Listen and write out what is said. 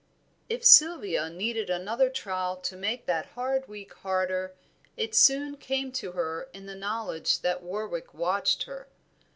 If Sylvia needed another trial to make that hard week harder, it soon came to her in the knowledge that Warwick watched her.